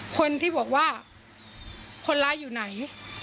คนที่บอกว่าคนร้ายอยู่ไหน